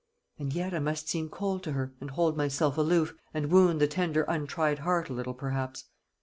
And yet I must seem cold to her, and hold myself aloof, and wound the tender untried heart a little perhaps.